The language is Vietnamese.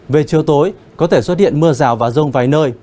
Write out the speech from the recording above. về chiều tối có thể xuất hiện mưa rào và rông vài nơi